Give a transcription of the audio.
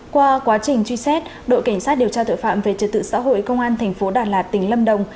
qua quá trình truy xét đội cảnh sát điều tra tội phạm về trật tự xã hội công an tp đà lạt tỉnh lâm đồng